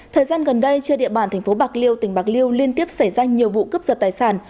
thời gian gần đây trên địa bàn thành phố bạc liêu tỉnh bạc liêu liên tiếp xảy ra nhiều vụ cướp giật tài sản